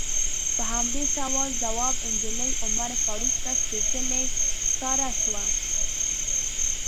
په همدې سوال ځواب نجلۍ عمر فاروق ته سپیڅلې ښکاره شوه.